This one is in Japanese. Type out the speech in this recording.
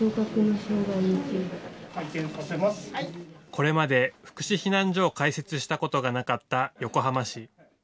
これまで福祉避難所を開設したことがなかった横浜市。